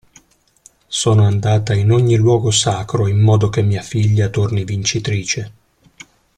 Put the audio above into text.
Sono andata in ogni luogo sacro in modo che mia figlia torni vincitrice.